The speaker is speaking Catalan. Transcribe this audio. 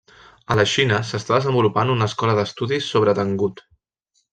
A la Xina s'està desenvolupant una escola d'estudis sobre tangut.